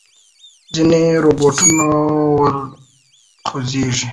ځینې روباټونه ورو خوځېږي.